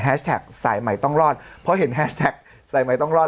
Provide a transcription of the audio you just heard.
สายใหม่ต้องรอดเพราะเห็นแฮสแท็กสายใหม่ต้องรอด